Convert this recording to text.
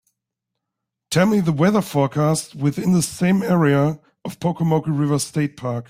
Tell me the weather forecast within the same area of Pocomoke River State Park